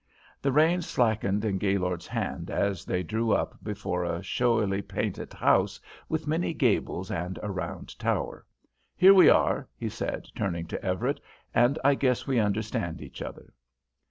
The reins slackened in Gaylord's hand as they drew up before a showily painted house with many gables and a round tower. "Here we are," he said, turning to Everett, "and I guess we understand each other."